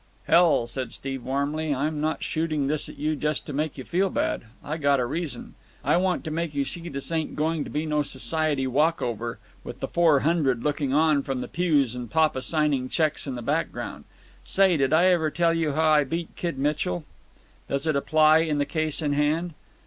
"Hell!" said Steve warmly, "I'm not shooting this at you just to make you feel bad. I gotta reason. I want to make you see this ain't going to be no society walk over, with the Four Hundred looking on from the pews and poppa signing cheques in the background. Say, did I ever tell you how I beat Kid Mitchell?" "Does it apply to the case in hand?"